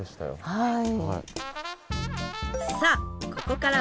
はい。